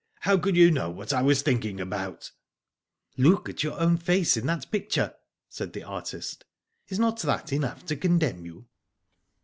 How could you know what I was thinking about ?"*' Look at your own face in that picture," said the artist. "Is not that enough to condemn you